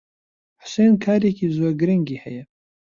حوسێن کارێکی زۆر گرنگی ھەیە.